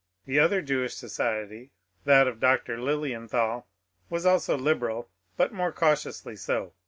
The other Jewish society, that of Dr. Lilienthal, was also liberal, but more cautiously so.